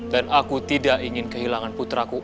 dan aku tidak ingin kehilangan putraku